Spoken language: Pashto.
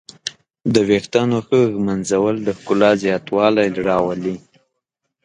د ویښتانو ښه ږمنځول د ښکلا زیاتوالی راولي.